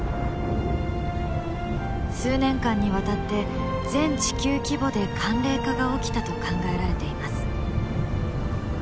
数年間にわたって全地球規模で寒冷化が起きたと考えられています。